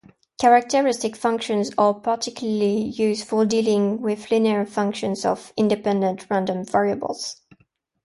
Characteristic functions are particularly useful for dealing with linear functions of independent random variables.